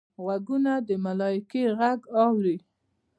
غوږونه د ملایکې غږ اوري